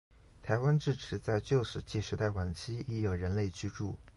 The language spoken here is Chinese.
台湾至迟在旧石器时代晚期已有人类居住。